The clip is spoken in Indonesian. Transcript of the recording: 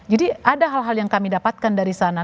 jadi ada hal hal yang kami dapatkan dari sana